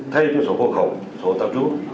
thay cho sổ bộ khẩu sổ tạo trú